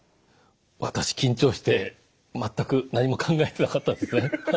私緊張して全く何も考えてなかったんですね。